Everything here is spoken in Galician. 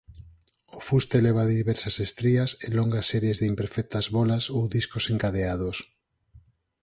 O fuste leva diversas estrías e longas series de imperfectas bólas ou discos encadeados.